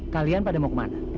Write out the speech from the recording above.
kalian pada mau kemana